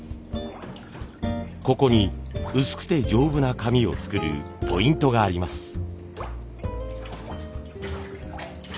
ここに薄くて丈夫な紙を作るポイントがあります。